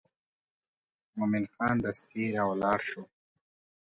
مومن خان دستي راولاړ شو.